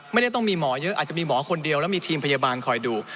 ไม่ได้ต้องมีหมอเยอะอาจจะมีหมอคนเดียวแล้วมีทีมพยาบาลคอยดู